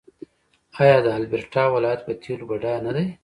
آیا د البرټا ولایت په تیلو بډایه نه دی؟